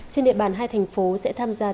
trên địa bàn hai thành phố sẽ tham gia